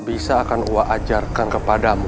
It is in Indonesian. bisa akan wa ajarkan kepadamu